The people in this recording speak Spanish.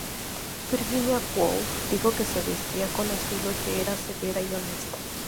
Virginia Woolf dijo que se vestía con estilo y que era "severa y honesta".